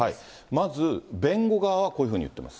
まず弁護側はこういうふうに言っています。